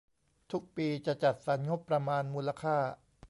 ทุกปีจะจัดสรรงบประมาณมูลค่า